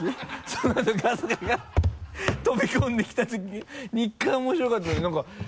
そのあと春日が飛び込んできた時２回面白かったのに何か。